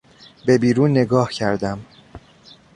به بیرون نگاه کردم.